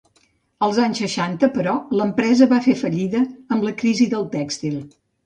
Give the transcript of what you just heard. Als anys seixanta, però, l'empresa va fer fallida, amb la crisi del tèxtil.